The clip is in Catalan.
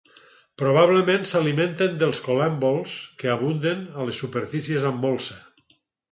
Probablement s'alimenten dels col·lèmbols que abunden a les superfícies amb molsa.